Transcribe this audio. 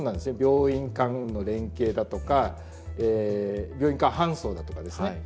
病院間の連携だとか病院間搬送だとかですね